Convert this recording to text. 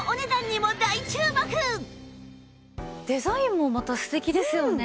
デザインもまた素敵ですよね。